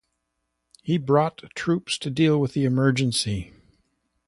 He brought troops to deal with the emergency.